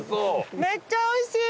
めっちゃおいしい！